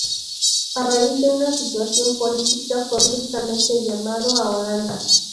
A raíz de una situación política fue bruscamente llamado a Holanda.